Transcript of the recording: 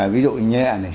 ví dụ nhẹ này